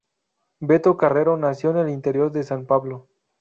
Beto Carrero nació en el interior de San Pablo.